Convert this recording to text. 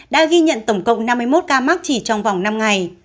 đã ghi nhận tổng cộng năm mươi một ca mắc chỉ trong vòng năm ngày